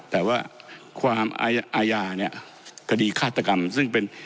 แต่ว่าความอาญาเนี่ยคดีฆาตกรรมซึ่งเป็น